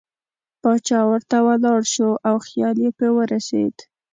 باچا ورته ولاړ شو او خیال یې په ورسېد.